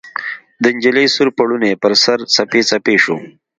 د نجلۍ سور پوړني ، پر سر، څپې څپې شو